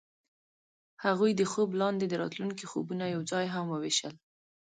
هغوی د خوب لاندې د راتلونکي خوبونه یوځای هم وویشل.